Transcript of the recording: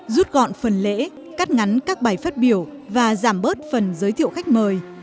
rút gọn phần lễ cắt ngắn các bài phát biểu và giảm bớt phần giới thiệu khách mời